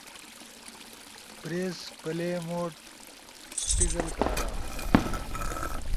پریس پلے موڈ ٹگل کارا